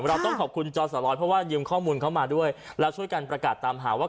เราต้องขอบคุณจอสร้อยเพราะว่ายืมข้อมูลเข้ามาด้วยแล้วช่วยกันประกาศตามหาว่า